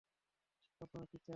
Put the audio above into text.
আপনারা কি চান?